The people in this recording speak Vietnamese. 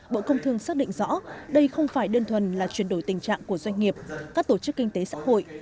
bộ công thương xác định rõ đây không phải đơn thuần là chuyển đổi tình trạng của doanh nghiệp các tổ chức kinh tế xã hội